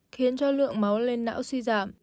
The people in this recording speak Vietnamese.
khiến cho lượng máu lên não suy giảm